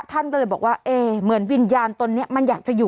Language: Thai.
ท่านก็เลยบอกว่าเอ๊เหมือนวิญญาณตนนี้มันอยากจะอยู่